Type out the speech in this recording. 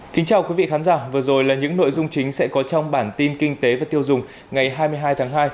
kính chào quý vị khán giả vừa rồi là những nội dung chính sẽ có trong bản tin kinh tế và tiêu dùng ngày hai mươi hai tháng hai